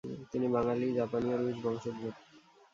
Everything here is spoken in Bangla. তিনি বাঙালী, জাপানি ও রুশ বংশোদ্ভূত।